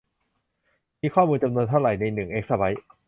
มีข้อมูลจำนวนเท่าไรในหนึ่งเอกซะไบท์